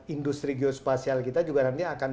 industri geospasial kita juga nanti akan